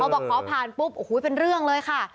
บอกขอผ่านปุ๊บโอ้โหเป็นเรื่องเลยค่ะ